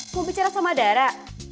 gua bicara sama dara